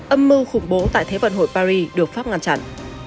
âm mưu khủng bố tại thế vận hội paris được pháp ngăn chặn